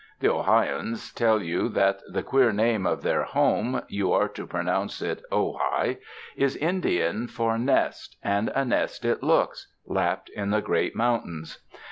The Ojaians tell you that the queer name of their home (you are to pronounce it 0 high) is Indian for nest, and a nest it looks, lapped in the great mountains.